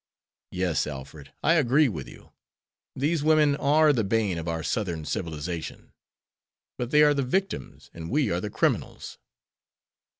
Yes, Alfred, I agree with you, these women are the bane of our Southern civilization; but they are the victims and we are the criminals."